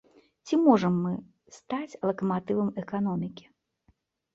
Ці можам мы стаць лакаматывам эканомікі?